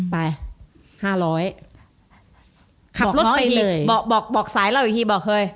ห้าร้อยขับรถไปเลยบอกบอกสายเราอีกทีบอกเคย